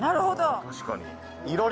あ確かに。